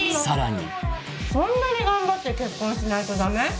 さらにそんなに頑張って結婚しないとダメ？